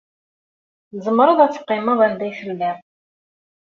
Tzemreḍ ad teqqimeḍ anda ay telliḍ.